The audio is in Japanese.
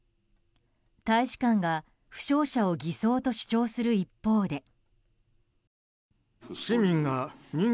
大使館が負傷者を偽装と主張する一方で。